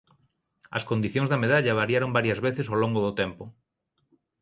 As condicións da medalla variaron varias veces ao longo do tempo.